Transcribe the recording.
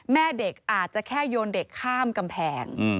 แม่เด็กอาจจะแค่โยนเด็กข้ามกำแพง